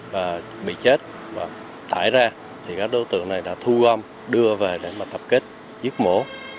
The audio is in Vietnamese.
và bị chết và tải ra thì các đối tượng này đã thu gom đưa về để mà tập kết giết mổ